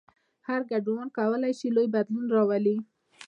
هر ګډونوال کولای شي لوی بدلون راولي.